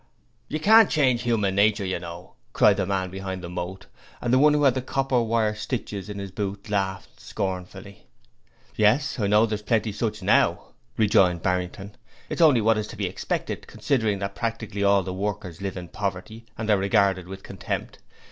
'You can't change 'uman nature, you know,' cried the man behind the moat, and the one who had the copper wire stitches in his boot laughed scornfully. 'Yes, I know there are plenty such now,' rejoined Barrington. 'It's only what is to be expected, considering that practically all workers live in poverty, and are regarded with contempt.